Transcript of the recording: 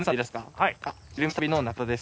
はい。